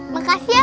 makasih ya pak